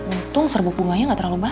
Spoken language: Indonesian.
untung serbu bunganya nggak terlalu banyak